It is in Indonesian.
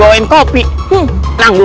hai lisin mentega dulu